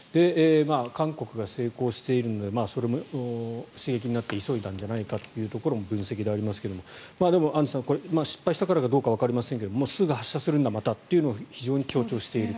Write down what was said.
韓国が成功しているのでそれも刺激になって急いだんじゃないかというところも分析でありますけれどもでも、アンジュさん失敗したからかどうかわかりませんがすぐに発射するんだまたということを非常に強調していると。